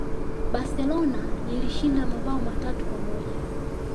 Barcelona ilishinda mabao matatu kwa moja